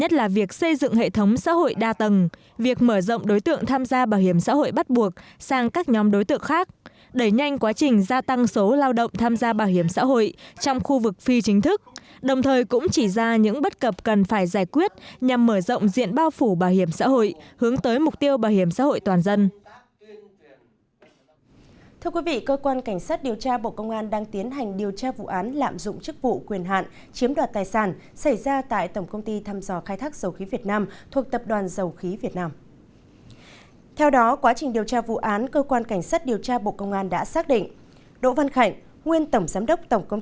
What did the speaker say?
hiện cơ quan cảnh sát điều tra bộ công an đang tập trung lực lượng điều tra làm rõ